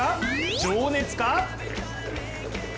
情熱か？